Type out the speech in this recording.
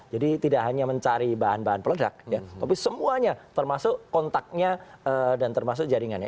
tidak hanya mencari bahan bahan peledak ya tapi semuanya termasuk kontaknya dan termasuk jaringannya